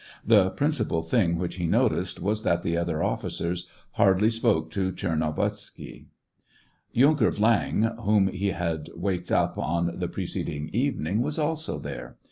The principal thing which he noticed was that the other officers hardly spoke to Tchernovitzky. Yunker Viang, whom he had waked up on the preceding evening, was also there.